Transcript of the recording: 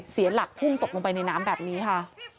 เสียหลักพุ่งตกลงไปในน้ำแบบนี้ค่ะ